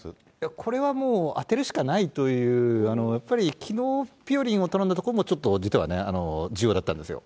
これはもう当てるしかないという、やっぱりきのう、ぴよりんを頼んだところも、実はね、重要だったんですよ。